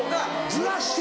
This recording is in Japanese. ずらして？